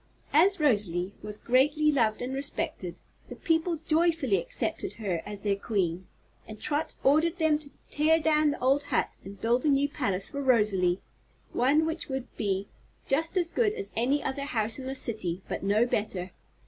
As Rosalie was greatly loved and respected, the people joyfully accepted her as their Queen, and Trot ordered them to tear down the old hut and build a new palace for Rosalie one which would be just as good as any other house in the City, but no better.